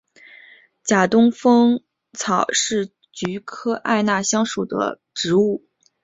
假东风草是菊科艾纳香属的植物。